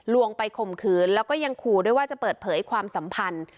วงไปข่มขืนแล้วก็ยังขู่ด้วยว่าจะเปิดเผยความสัมพันธ์